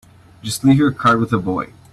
Just leave your card with the boy.